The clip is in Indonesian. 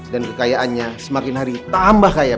dan kekayaannya semakin hari tambah kaya